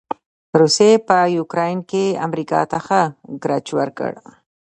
روسې په يوکراين کې امریکا ته ښه ګړچ ورکړ.